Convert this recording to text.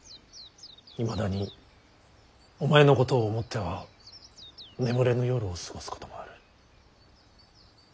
いまだにお前のことを思っては眠れぬ夜を過ごすこともある。